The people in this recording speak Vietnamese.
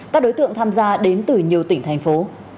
các đối tượng tham gia đến từ nhiều tỉnh thành phố